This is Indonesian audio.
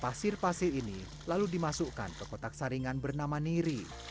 pasir pasir ini lalu dimasukkan ke kotak saringan bernama niri